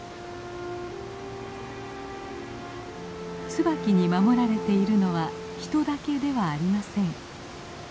ツバキに守られているのは人だけではありません。